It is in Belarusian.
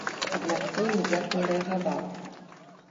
Аднак той ніяк не рэагаваў.